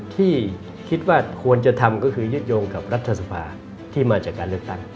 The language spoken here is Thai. ที่คิดว่าควรจะทำก็คือยึดโยงกับรัฐสภาที่มาจากการเลือกตั้ง